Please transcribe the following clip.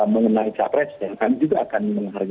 mengenai capresnya kami juga akan menghargai